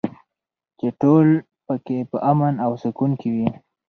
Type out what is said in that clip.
چې ټول پکې په امن او سکون کې وي.